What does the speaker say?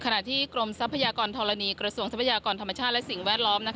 ที่กรมทรัพยากรธรณีกระทรวงทรัพยากรธรรมชาติและสิ่งแวดล้อม